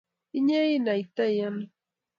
inye inaitai ano